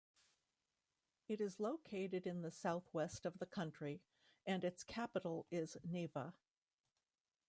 It is located in the southwest of the country, and its capital is Neiva.